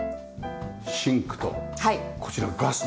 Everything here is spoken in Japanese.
シンクとこちらガスだ。